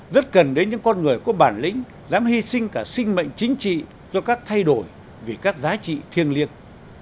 rất cần đến những con người có bản lĩnh dám hy sinh cả sinh mệnh chính trị cho các thay đổi vì các giá trị thiêng liêng